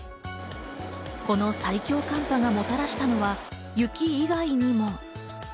この最強寒波がもたらしたのは雪以外にも。